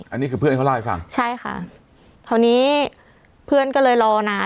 อันนี้คือเพื่อนเขาเล่าให้ฟังใช่ค่ะคราวนี้เพื่อนก็เลยรอนาน